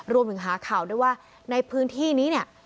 รวมถึงหาข่าวด้วยว่าในพื้นที่นี้เนี่ย